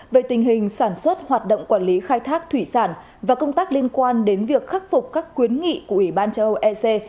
về tình hình sản xuất hoạt động quản lý khai thác thủy sản và công tác liên quan đến việc khắc phục các khuyến nghị của ủy ban châu âu ec